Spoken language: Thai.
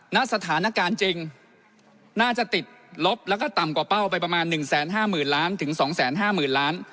ณสถานการณ์จริงน่าจะติดลบแล้วก็ต่ำกว่าเป้าไปประมาณ๑๕๐๐๐ล้านถึง๒๕๐๐๐ล้าน